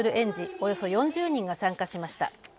およそ４０人が参加しました。